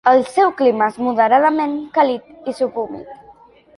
El seu clima és moderadament càlid i subhumit.